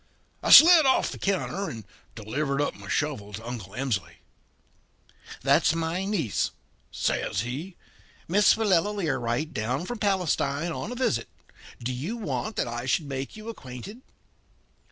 "I slid off the counter and delivered up my shovel to Uncle Emsley. "'That's my niece,' says he; 'Miss Willella Learight, down from Palestine on a visit. Do you want that I should make you acquainted?'